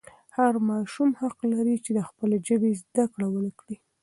هر ماشوم حق لري چې د خپلې ژبې زده کړه وکړي.